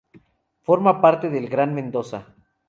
Forma parte del Gran Mendoza.